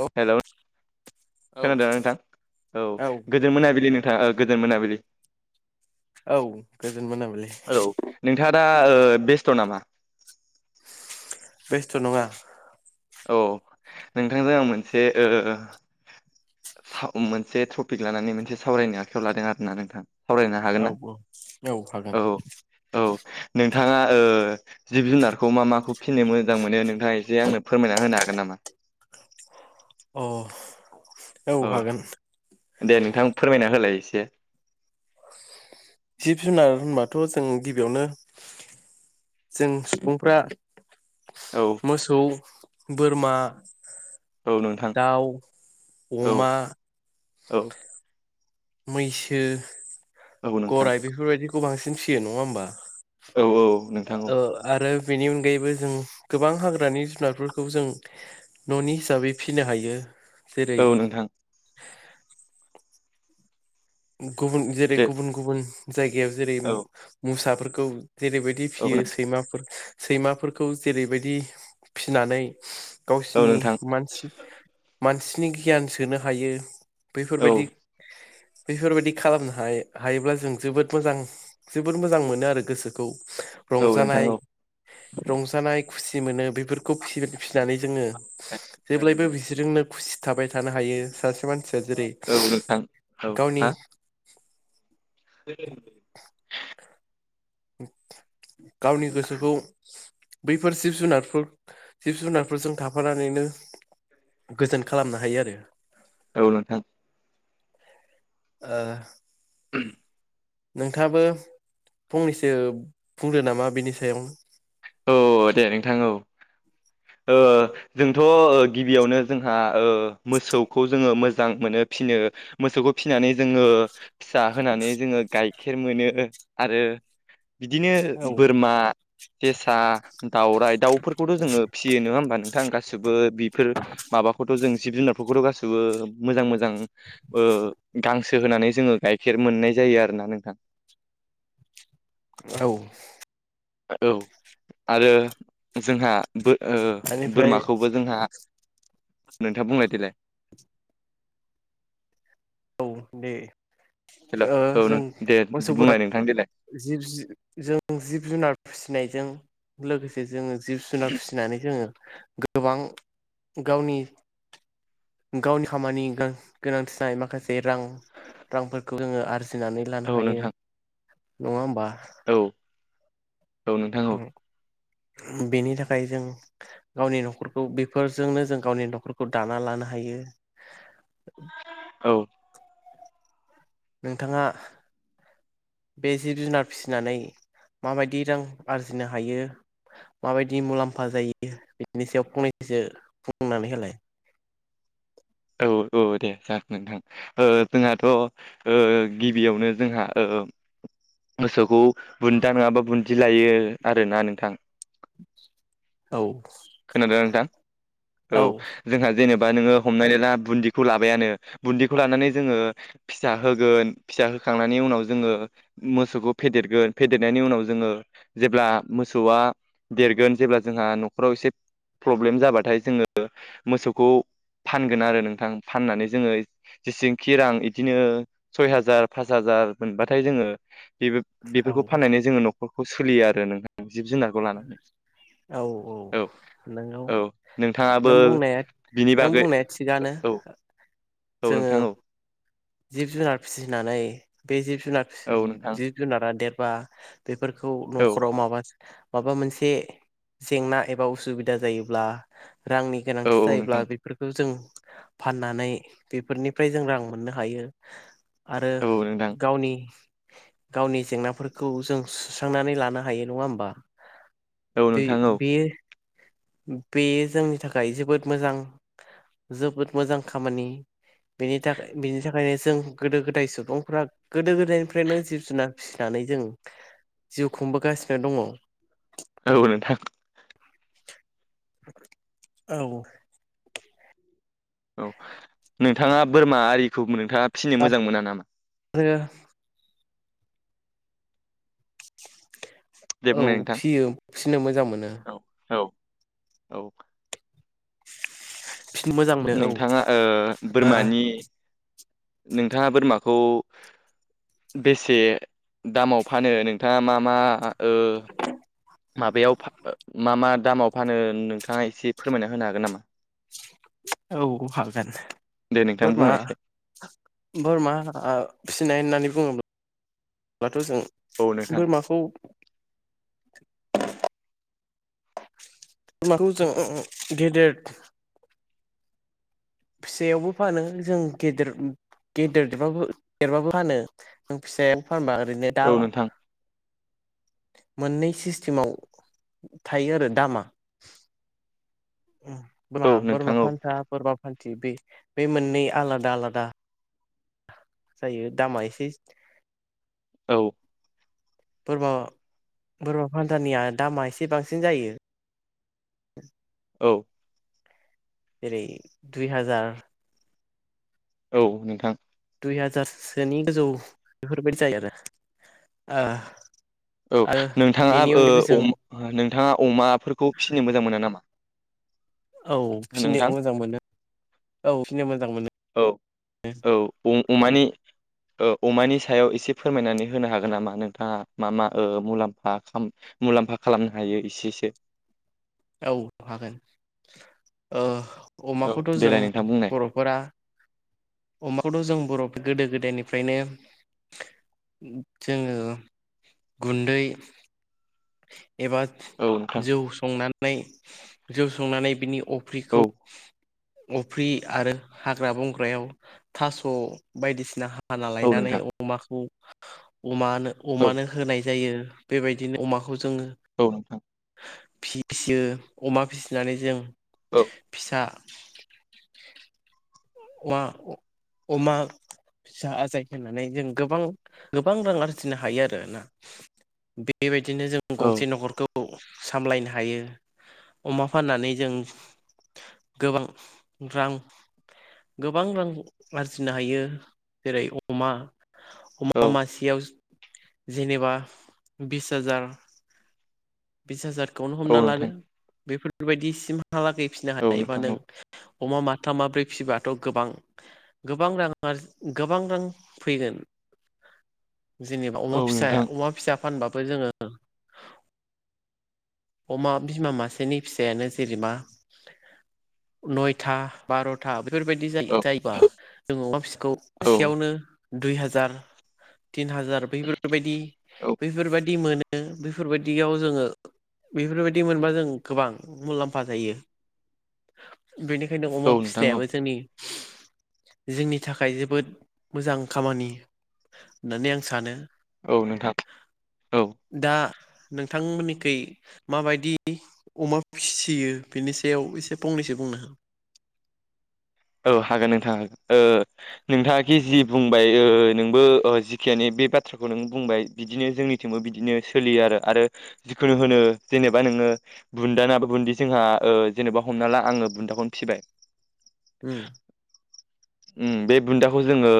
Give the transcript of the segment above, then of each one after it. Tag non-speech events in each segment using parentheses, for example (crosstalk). औ हेलौ औ खोनादोंना नोंथां औ गोद गोजोन मोनाबिलि नोंथाङा ओ गोदोन मोनाबिलि औ गोजोन मोनाबिलिनि। हेलौ नोंथाङा दा ओ बेस्थ नामा। बेस्थ नङा। औ नोंथांजों आं मोनसे ओ सा मोनसे टपिक लानानै मोनसे सावरायनो आखायाव लादों आर ना नोंथां। सावरायनो हागोन औ ना औ औ हागोन। औ नोंथाङा ओ जिब जुनारखौ मा माखौ फिननो मोजां मोनो नोंथाङा एसे आंनो फोरमायना होनो हागोन नामा? अ औ हागोन। दे नोंथां फोरमायना होलाय एसे जिब जुनार होनबाथ जों गिबियावनो जों सुबुंफ्रा औ मोसौ बोरमा औ नोंथां दाउ औ अमा औ मैसो औ नोंथां गराय बेफोरबायदिखौ बांसिन फिसियो नङा होमबा। औ औ नोंथां औ ओ आरो बेनि अनगायैबो जों गोबां हाग्रानि जुनारफोरखौ जों ननि हिसाबै फिनो हायो। जेरै औ नोंथां। गुबुन जेरै दे गुबुन गुबुन जायगायाव जेरै औ मोसाफोरखौ जेरैबायदि औ फिसियो नोंथां सैमाफोर सैमाफोरखौ जेरैबायदि फिनानै औ गावसिनि नोंथां मानसि मानसिनि गियान सोनो हायो औ बैफोरबायदि बेफोरबायदि खालामनो हाय हायोब्ला जों जोबोद मोजां। जोबोर मोजां मोनो आरो गोसोखौ‌ औ नोंथां रंजानाय औ रंजानाय खुसि मोनो बेफोरखौ फिसि फिसिनानै जोङो। जेब्लायबो बिसोरजोंनो खुसि थाबाय थानो हायो सासे मानसिया जेरै उम थां गावनि (inaudible) गावनि गोसोखौ बैफोर जिब जुनारफोर जिब जुनारफोरजों थाफानानैनो गोजोन खालामनो हायो आरो औ नोंथां। ओ (inaudible) नोंथाबो फंनैसो बुंदो नामा बेनि सायाव। औ दे नोंथां औ। ओ जोंथ ओ गिबियावनो जोंहा ओ मोसौखौ जोङो मोजां मोनो फिनो मोसौखौ फिसिनानै जोङो फिसा होनानै जोङो गाय खेर मोनो आरो बिदिनो औ बोरमा जेसा दाउराइ दाउफोरखौथ जोङो फिसियो नोङा होमबा नोंथां गासिबो बेफोर माबाखौथ जों जिब जुनारफोरखौथ गासैबो मोजां मोजां ओ गांसो होनानै जोङो गाइखेर मोननाय जायो आरोना नोंथां। औ औ आरो जोंहा बो ओ बेनिफ्राय बोरमाखौबो जोंहा नोंथाङा बुंनाय देलाय। औ दे हेल' ओ औ जों नों दे बुंलाय मोसौफोराद नोंथां देलाय जिब जों जिब जुनार फुसिनायजों लोगोसे जोङो जिब जुनार फुसिनानै जोङो गोबां गावनि गावनि खामानि गां गोनांथिनाय जानाय माखासे बे रां रांफोरखौ जोङो आरजिनानै लानो औ हायो नोंथां नङा होनबा। औ, औ नोंथां। औ (unintelligible) बेनि थाखाय जों गावनि न'खरखौ बेफोरजोंनो जों गावनि न'खरखौ दाना लानो हायो। औ। नोंथाङा बे जिब जुनार फिसिनानै माबायदि रां आरजिनो हायो? माबायदि मुलाम्फा जायो बिनि सायाव फंनैसो बुंनानै होलाय। औ औ दे जागोन नोंथां। ओ जोंहाथ'ओ गिबियावनो जोंहा ओ मोसौखौ बुन्दा नोङाबा बुन्दि लायो आरोना नोंथां औ खोनादोंना नोंथां औ जोंहा जेनेबा नोङो हमनानै ला बुन्दिखौ लाबायानो, बुन्दिखौ लानानै जोङो फिसा होगोन, फिसा होखांनायनि उनाव जोङो मोसौखौ फेदेरगोन फेदेरनायनि उनाव जोङो जेब्ला मोसौआ देरगोन जेब्ला जोंहा न'खराव एसे प्रब्लेम जाबाथाय जोङो मोसौखौ फानगोन आरो नोंथां। फाननानै जोङो जेसेंखि रां इदिनो सय हाजार पास हाजार मोनबाथाय जोङो बेबो बेफोरखौ फाननानै जोङो न'खरखौ सोलियो आरो नोंथां जिब जुनार औ औ। नोंगौ औ नोंथाङाबो नों बुंनाया बिनि नों बागै बुंनाया थिगानो। औ औ जोङो नोंथां औ। जिब जुनार फिसिनानै बे जिब जुनार फिसि औ नोंथां जिब जुनारा देरबा बेफोरखौ औ न'खराव माबा माबा मोनसे जेंना एबा उसुबिदा जायोब्ला रांनि औ गोनांथि औ जायोब्ला नोंथां बेफोरखौ जों फाननानै बेफोरनिफ्राय जों रां मोननो हायो। आरो औ नोंथां गावनि गावनि जेंनाफोरखौ जों सुस्रांनानै लानो हायो नङा होमबा? औ बे नोंथां औ बेयो बे जोंनि थाखाय जोबोद मोजां जोबोद मोजां खामानि। बेनि थाखाय बिनि थाखायनो जों गोदो गोदाय सुबुंफ्रा गोदो गोदायनिफ्रायनो जिब जुनार फिसि नानै जों जिउ खुंबोगासिनो दङ'। औ नोंथां। औ। औ नोंथाङा बोरमा आरिखौ नोंथाङा फिसिनो मोजां मोना नामा? आरो दे औ बुंनाय नोंथां फियो फिनो मोजां मोनो। औ औ औ। फिनो मोजां मोनो औ। नोंथाङा ओ बोरमानि नोंथाङा बोरमाखौ बेसे दामाव फानो नोंथाङा मा मा ओ माबायाव फा मा मा दामाव फानो नोंथाङा एसे फोरमायना होनो हागोन नामा? औ हागोन, दे नोंथां बोरमा बुंनायसै बोरमा ओ फिनाय होननानै बुङोब्लाथ' जों औ नोंथां बोरमाखौ बोरमाखौ जों गेदेर फिसायावबो फानो जों गेदेर गेदेर देरबाबो देरबाबो फानो फिसायानो फानबा ओरैनो दा औ नोंथां मोननै सिस्टेमाव थायो आरो दामा उम बोरमा औ बोरमा नोंथां औ फानथा बोरमा फान थि बे बे मोननै आलादा आलादा जायो दामा एसे औ बोरमा बोरमा फान्थानिया दामा एसे बांसिन जायो औ जेरै दुइ हाजार। औ नोंथां। दुइ हाजारसोनि गोजौ बेफोरबायदि जायो आरो। ओ औ आरो नोंथाङा बेनि ओ अनगायैबो जों अमा नोंथाङा अमाफोरखौ फिसिनो मोजां मोना नामा? औ फिनो नोंथां मोजां मोनो, औ फिनो मोजां मोनो। औ औ अ-अमानि ओ अमानि सायाव एसे फोरमायनानै होनो हागोन नामा नोंथाङा? मा मा ओ मुलाम्फा खाम मुलाम्फा खालामनो हायो एसेसो औ हागोन ओ औ अमाखौथ' जों देलाय नोंथां बुंनाय बर'फोरा अमाखौथ' जों बर' गोदो गोदायनिफ्रायनो जोङो गुन्दै एबा औ नोंथां जौ संनानै जौ संनानै बिनि औ अफ्रिखौ अफ्रि आरो हाग्रा बंग्रायाव थास' बायदिसिना हाना औ लायनानै नोंथां अमाखौ अमानो औ अमानो होनाय जायो बेबायदिनो अमाखौ जोङो औ फिसियो अमा फिसिनानै जों औ फिसा अमा अ अमा फिसा आजाय होनानै जों गोबां गोबां रां आरजिनो हायो आरो ना बेबायदिनो जों गंसे औ न'खरखौ सामलायनो हायो अमा फाननानै जों गोबां रां गोबां रां आरजिनो हायो जेरै अमा औ अमा मासेयाव जेनेबा बिस हाजार बिस हाजारखौनो हमना औ लादो नोंथां बेफोरबायदिसिमहालागै फिनो औ हायोबा नोंथां नों औ - अमा माथाम माब्रै फिबाथ' गोबां गोबां रां आरजि गोबां रां फैगोन जेनेबा अमा औ फिसा नोंथां अमा फिसा फानबाबो जोङो अमा बिमा मासेनि फिसायानो जेरैबा नयथा बार' था बेफोरबायदि जायो औ जायोबा जों अमा फिसाखौ औ मासेयावनो दुइ हाजार तिन हाजार बैफोरबायदि औ बैफोरबायादि मोनो बेफोरबायदियाव जोङो बेफोरबायदि मोनबा जों गोबां मुलाम्फा जायो बेनिखायनो अमा औ नोंथां औ फिनायाबो जोंनि जोंनि थाखाय जोबोद मोजां खामानि दानिया आं सानो औ नोंथां औ दा नोंथांमोननिखै माबायदि अमा फिसियो बेनि सायाव एसे फंनैसो बुंना हो औ हागोन नोंथां नोंथाङााखि जि बुंबाय नोंबो जिखियानो बे बाथ्राखौ नों बुंबाय बिदिनो जोंनिथिंबो बिदिनो सोलियो आरो आरो जिखुनु होनो जेनेबा नोङो बुन्दा ना बुन्दि जोंहा जेनेबा हमना ला आङो बुन्दाखौनो फिबाय उम। उम बे बुन्दाखौ जोङो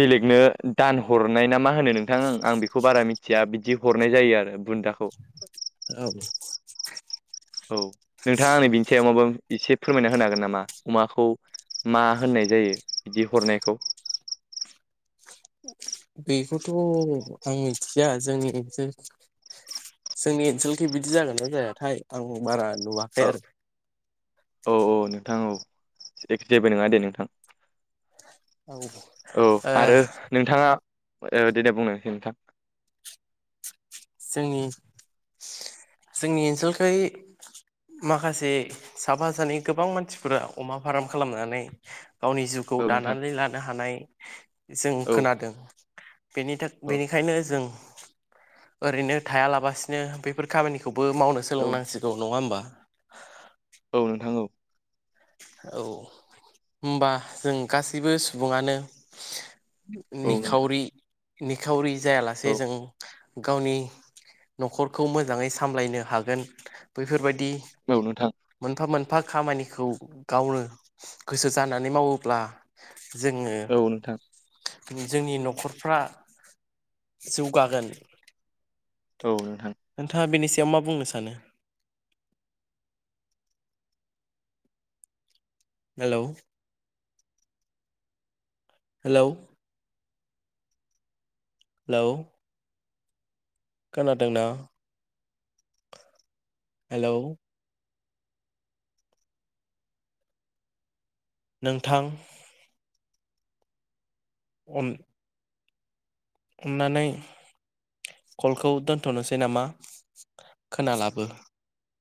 बेलेगनो दान हरनाय ना मा होनो नोंथां? आं बेखौ बारा मिथिया बिदि हरनाय जायो आरो बुन्दाखौ। औ। औ नोंथाङा आंनो बिनि सायाव माबा एसे फोरमायना होनो हागोन नामा? अमाखौ मा होननाय जायो बिदि हरनायखौ? बेखौथ' आं मिथिया जोंनि जो जोंनि ओनसोलखै बिदि जागोन ना जायाथाय आं बारा नुवा औ औ औ नोंथां औ एखे जेबो नङा दे नोंथां औ ओ औ आरो नोंथाङा देनै बुंनायसाय नोंथां जोंनि जोंनि ओनसोलखाय माखासे साफा सानै गोबां मानसिफोरा अमा फार्म खालामनानै गावनि जिउखौ औ नोंथां दानानै लानो हानाय जों औ खोनादों बेनि थाख बेनिखायनो जों ओरैनो थायालाबासिनो बेफोर खामानिखौबो मावनो औ सोलोंनांसिगौ नङा होमबा औ नोंथां औ। औ होनबा जों गासैबो सुबुङानो औ नोंथां निखावरि निखावरि जायालासे औ जों गावनि न'खरखौ मोजाङै सामलायनो हागोन बैफोरबायदि औ नोथां। मोनफा मोनफा खामानिखौ गावनो गोसो जानानै मावोब्ला जोङो औ नोंथां जोंनि न'खरफ्रा जौगागोन औ नोंथां। नोंथाङा बेनि सायाव मा बुंनो सानो? हेलौ हेलौ हेलौ खोनादोंना? हेलौ नोंथां अन अननानै कलखौ दोनथ'नोसै नामा? खोनालाबो